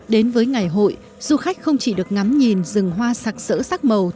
đến với ngày hội du khách không chỉ được ngắm nhìn rừng hoa sạc sỡ sắc màu